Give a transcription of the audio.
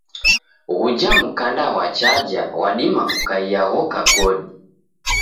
Ghuja mkanda ghwa chaja ghwadima kukaia ghoka godi.